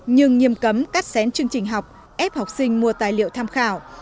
nhưng nghiêm cấm cắt xén chương trình học ép học sinh mua tài liệu tham khảo